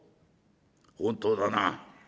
「本当だな。